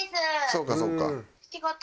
そうかそうか。